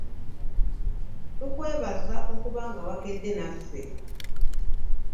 Tukwebaza okuba nga wakedde naffe.